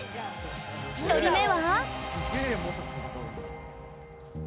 １人目は？